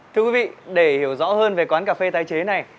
thưa quý vị để hiểu rõ hơn về quán cà phê tái chế này